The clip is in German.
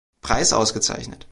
Preis ausgezeichnet.